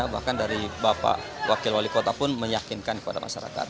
bahkan dari bapak wakil wali kota pun meyakinkan kepada masyarakat